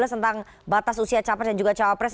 tentang batas usia capres dan juga cawapres